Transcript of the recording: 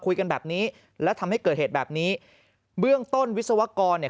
คุยกันแบบนี้แล้วทำให้เกิดเหตุแบบนี้เบื้องต้นวิศวกรเนี่ย